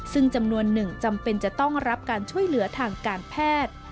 ซึ่งจำนวนหนึ่งจำเป็นจะต้องรับการช่วยเหลือทางการแพทย์